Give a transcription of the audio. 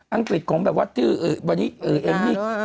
อังกฤษของแบบว่าวันนี้เอ็มมี่